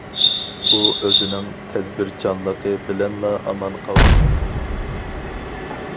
ئۇ ئۆزىنىڭ تەدبىرچانلىقى بىلەنلا ئامان قالدى.